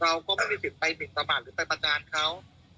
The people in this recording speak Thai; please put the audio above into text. เราก็ไม่มีสิทธิ์ไปบินทบาทหรือไปประจานเขา